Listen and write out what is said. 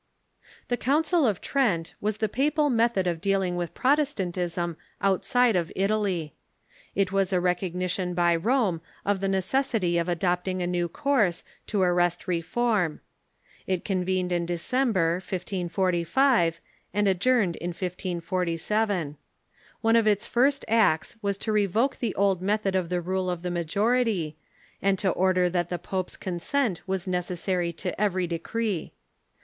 The Council of Trent was the papal method of dealing with Protestantism outside of Italy. It was a recognition by Rome of the necessity of adopting a new course Council of Trent ._"^,. ^f to arrest reiorm. It convened in JJecember, 1545, and adjourned in 1547. One of its first acts was to revoke the old method of the rule of the majority, and to order that the pope's consent was necessary to every decree.